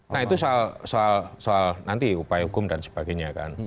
nah itu soal nanti upaya hukum dan sebagainya kan